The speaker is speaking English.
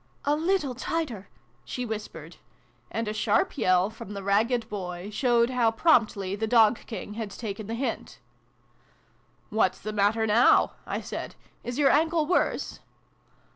" A little tighter !" she whispered. And a sharp yell from the ragged boy showed how promptly the Dog King had taken the hint. " What's the matter now?" I said. "Is your ankle worse